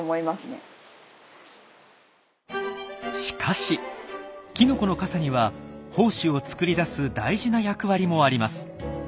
しかしきのこの傘には胞子を作リ出す大事な役割もあります。